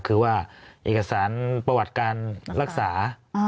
คือว่าเอกสารประวัติการรักษา